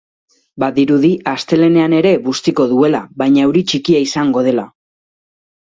Badirudi astelehenean ere bustiko duela, baina euri txikia izango dela.